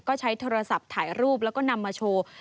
ก็ใช้โทรศัพท์ถ่ายรูปแล้วก็นำมาโชว์